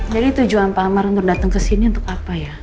jadi tujuan pak amar untuk datang ke sini untuk apa ya